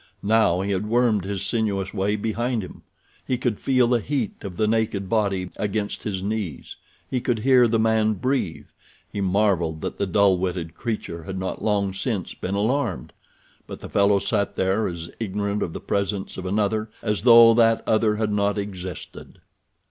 Now he had wormed his sinuous way behind him. He could feel the heat of the naked body against his knees. He could hear the man breathe. He marveled that the dull witted creature had not long since been alarmed; but the fellow sat there as ignorant of the presence of another as though that other had not existed.